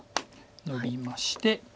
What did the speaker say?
ノビまして。